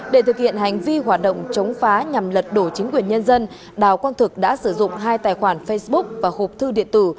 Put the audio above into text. để thực hiện hành vi hoạt động chống phá nhằm lật đổ chính quyền nhân dân đào quang thực đã sử dụng hai tài khoản facebook và hộp thư điện tử